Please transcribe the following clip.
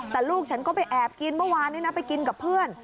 แต่ลูกฉันก็ไปแอบกินเมื่อวานนี้นะไปกินกับเพื่อน